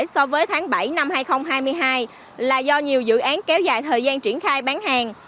so với tháng bảy năm hai nghìn hai mươi hai là do nhiều dự án kéo dài thời gian triển khai bán hàng